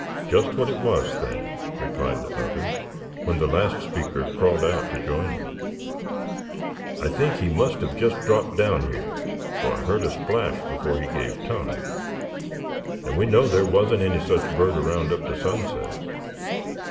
"Just what it was, Thad," replied the other, when the last speaker crawled out to join him; "I think he must have just dropped down here, for I heard a splash before he gave tongue; and we know there wasn't any such bird around up to sunset.